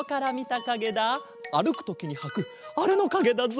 あるくときにはくあれのかげだぞ。